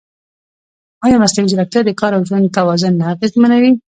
ایا مصنوعي ځیرکتیا د کار او ژوند توازن نه اغېزمنوي؟